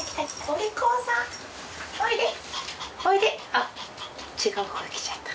あっ違う子が来ちゃった。